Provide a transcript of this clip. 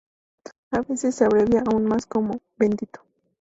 A veces es abreviada aún más, como "¡Bendito!